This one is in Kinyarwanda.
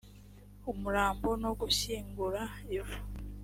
umurambo no gushyingura ivu